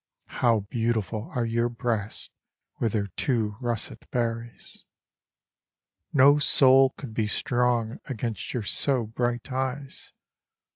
How beautiful are your breasts with their two russet berries. No soul could be strong against your so bright eyes.